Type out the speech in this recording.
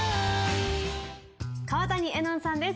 川谷絵音さんです